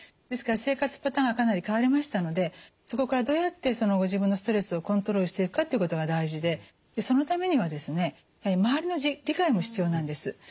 ですから生活パターンがかなり変わりましたのでそこからどうやってご自分のストレスをコントロールしていくかということが大事でそのためにはですね周りの理解も必要なんです。